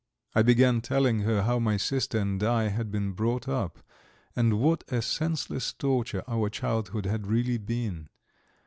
I began telling her how my sister and I had been brought up, and what a senseless torture our childhood had really been.